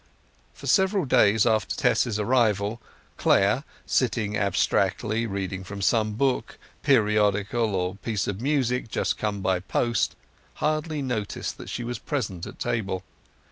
For several days after Tess's arrival Clare, sitting abstractedly reading from some book, periodical, or piece of music just come by post, hardly noticed that she was present at table.